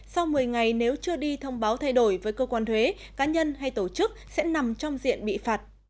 sau một mươi ngày nếu chưa đi thông báo thay đổi với cơ quan thuế cá nhân hay tổ chức sẽ nằm trong diện bị phạt